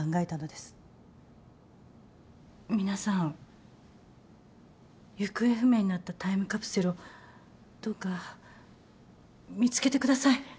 皆さん行方不明になったタイムカプセルをどうか見つけてください。